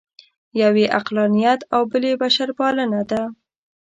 یو یې عقلانیت او بل یې بشرپالنه ده.